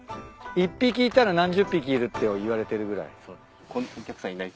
１匹いたら何十匹いるっていわれてるぐらい。